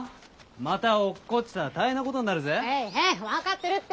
また落っこちたら大変なことになるぜ。へいへい分かってるって。